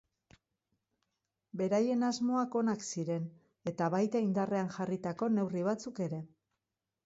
Beraien asmoak onak ziren eta baita indarrean jarritako neurri batzuk ere.